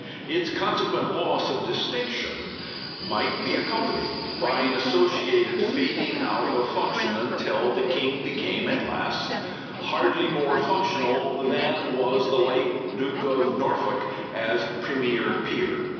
Its consequent loss of distinction might be accompanied by an associated fading out of function, until the King became at last hardly more functional than was the late Duke of Norfolk as premier peer.